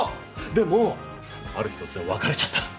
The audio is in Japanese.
でもある日突然別れちゃったの。